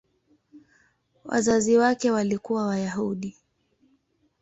Wazazi wake walikuwa Wayahudi.